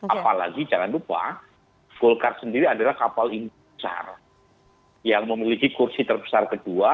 apalagi jangan lupa golkar sendiri adalah kapal besar yang memiliki kursi terbesar kedua